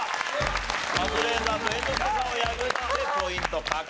カズレーザーと猿之助さんを破ってポイント獲得と。